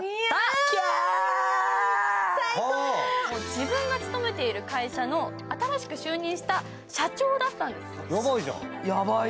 自分が勤めている会社の新しく就任者社長だったんです。